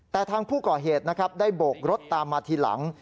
แต่ทางผู้ก่อเหตุนะครับได้โบกรถตามมาทีหลัง